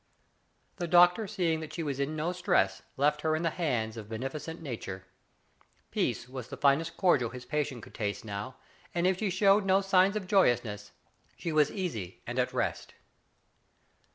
The doctor seeing that she was in no distress left her in the hands of beneficent Nature. Peace was the finest cordial his patient could taste now, and if she showed no sign of joyousness, she was easy and at rest.